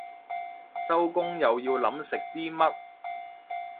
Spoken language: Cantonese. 收工又要諗食啲乜